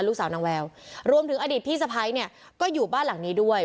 ลูกสาวนางแววรวมถึงอดีตพี่สะพ้ายเนี่ยก็อยู่บ้านหลังนี้ด้วย